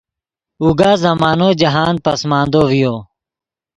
اوگا زمانو جاہند پسماندو ڤیو